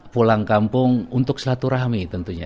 pulang kampung untuk selaturahmi tentunya